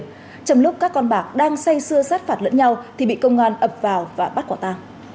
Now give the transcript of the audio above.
trong lúc các con bạc đang say xưa sát phạt lẫn nhau thì bị công an ập vào và bắt quả ta